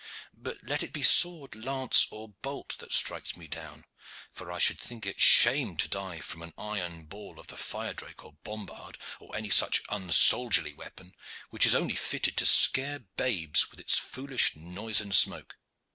But let it be sword, lance, or bolt that strikes me down: for I should think it shame to die from an iron ball from the fire crake or bombard or any such unsoldierly weapon, which is only fitted to scare babes with its foolish noise and smoke."